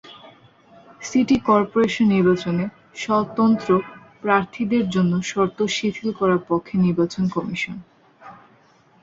City corporation নির্বাচনে স্বতন্ত্র প্রার্থীদের জন্য শর্ত শিথিল করার পক্ষে নির্বাচন কমিশন।